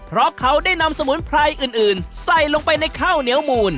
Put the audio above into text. เพราะเขาได้นำสมุนไพรอื่นใส่ลงไปในข้าวเหนียวมูล